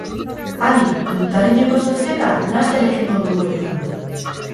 Adi, urtarrileko zozketa laster egingo dugu eta!